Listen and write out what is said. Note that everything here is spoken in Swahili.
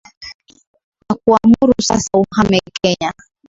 Nakuamuru sasa uhame Kenya.